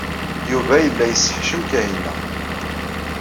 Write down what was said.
Yuba yella yesseḥcem Kahina.